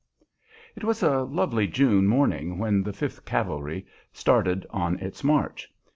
It was a lovely June morning when the Fifth Cavalry started on its march.